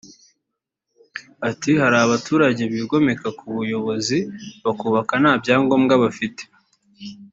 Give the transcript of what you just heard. Ati “Hari abaturage bigomeka ku bayobozi bakubaka nta byangombwa bafite